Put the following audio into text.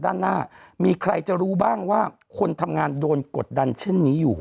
ด้านหน้ามีใครจะรู้บ้างว่าคนทำงานโดนกดดันเช่นนี้อยู่